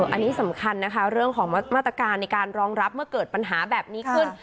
อันนี้สำคัญนะคะเรื่องของมาตรการในการรองรับเมื่อเกิดปัญหาแบบนี้ขึ้น